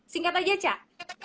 singkat aja cak